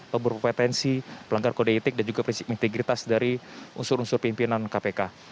kepetensi pelanggar kode etik dan juga prinsip integritas dari unsur unsur pimpinan kpk